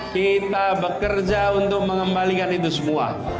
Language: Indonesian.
kita bekerja untuk mengembalikan itu semua